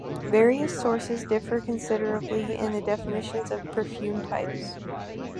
Various sources differ considerably in the definitions of perfume types.